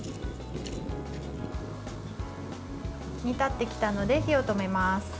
煮立ってきたので火を止めます。